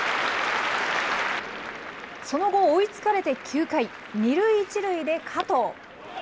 その後、追いつかれて９回、２塁１塁で加藤。